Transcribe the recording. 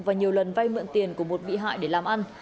và nhiều lần vay mượn tiền của một bị hại để làm ăn